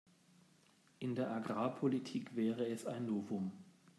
In der Agrarpolitik wäre es ein Novum.